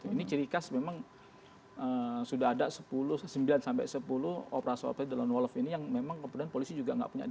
ini ciri khas memang sudah ada sembilan sepuluh operasi operasi dalam jalan wolf ini yang memang kemudian polisi juga tidak punya data tentangnya